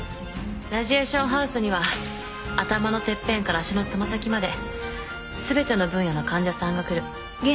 ラジエーションハウスには頭のてっぺんから足の爪先まで全ての分野の患者さんが来る。